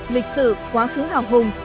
lịch sử quá khứ hào hùng